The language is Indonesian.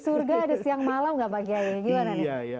di surga ada siang malam tidak bagiannya